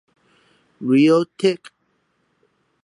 Realtek